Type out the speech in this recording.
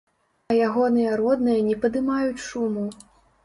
А ягоныя родныя не падымаюць шуму.